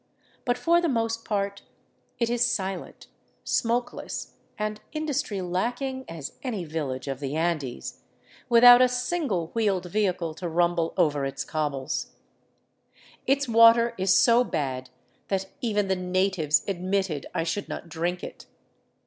But for the most part it is silent, smokeless, and industry lacking as any village of the Andes, without a single wheeled 383 VAGABONDING DOWN THE ANDES vehicle to rumble over its cobbles. Its water is so bad that even the natives admitted I should not drink it.